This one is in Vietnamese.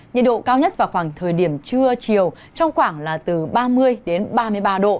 nhiệt độ cao nhất vào khoảng thời điểm trưa chiều trong khoảng là từ ba mươi đến ba mươi ba độ